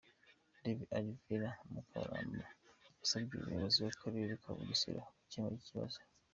Dr Alvera Mukabaramba yasabye ubuyobozi bw’Akarere ka Bugesera gukemura iki kibazo.